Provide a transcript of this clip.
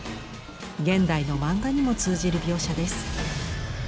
現代の漫画にも通じる描写です。